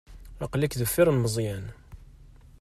Aql-ik deffir n Meẓyan.